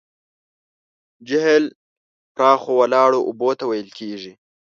جهیل پراخو ولاړو اوبو ته ویل کیږي.